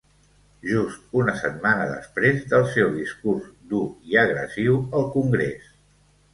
Just una setmana després del seu discurs dur i agressiu al congrés.